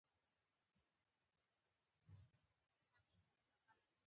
غنم اصلي خواړه دي